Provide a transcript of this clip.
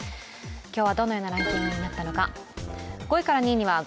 今日はどのようなランキングになったのか。